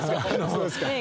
そうですか。